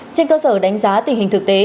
trên cơ sở đánh giá tình hình thực tế